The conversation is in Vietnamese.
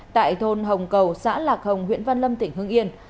tại thôn hồng cầu xã lạc hồng huyện văn lâm tỉnh hưng yên